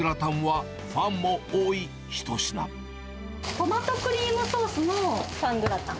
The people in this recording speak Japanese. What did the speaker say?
トマトクリームソースのパングラタン。